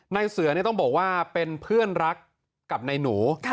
ในเสือต้องบอกว่าเป็นเพื่อนรักกับนายหนู